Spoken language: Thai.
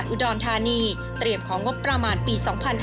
อุดรธานีเตรียมของงบประมาณปี๒๕๕๙